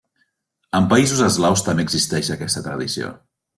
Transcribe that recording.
En països eslaus també existeix aquesta tradició.